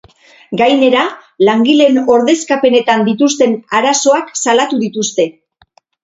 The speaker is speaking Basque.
Gainera, langileen ordezkapenetan dituzten arazoak salatu dituzte.